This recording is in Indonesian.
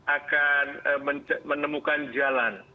akan menemukan jalan